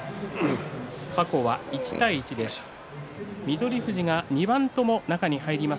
過去は１対１です。